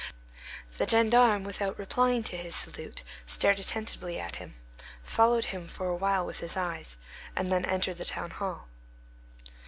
The gendarme, without replying to his salute, stared attentively at him, followed him for a while with his eyes, and then entered the town hall.